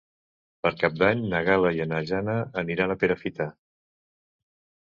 Per Cap d'Any na Gal·la i na Jana aniran a Perafita.